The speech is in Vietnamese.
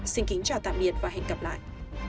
xin kính chào tạm biệt và hẹn gặp lại